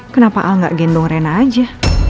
kenapa al gak gendong rena aja